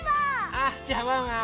あっじゃあワンワン